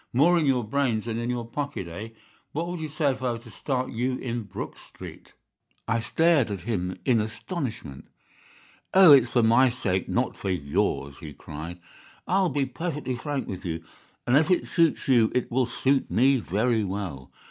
More in your brains than in your pocket, eh? What would you say if I were to start you in Brook Street?' "I stared at him in astonishment. "'Oh, it's for my sake, not for yours,' he cried. 'I'll be perfectly frank with you, and if it suits you it will suit me very well.